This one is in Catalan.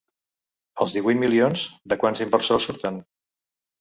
Els divuit milions, de quants inversors surten?